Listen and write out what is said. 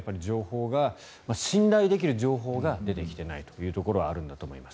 信頼できる情報が出てきていないというところがあるんだと思います。